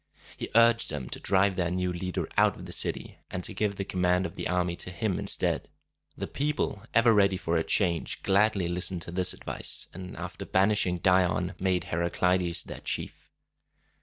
He urged them to drive their new leader out of the city, and to give the command of the army to him instead. The people, ever ready for a change, gladly listened to this advice, and, after banishing Dion, made Heraclides their chief.